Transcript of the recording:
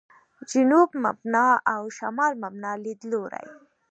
«جنوب مبنا» او «شمال مبنا» لیدلوري.